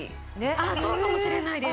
ああそうかもしれないです。